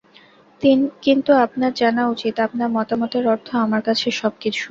কিন্তু আপনার জানা উচিত আপনার মতামতের অর্থ আমার কাছে সব কিছু।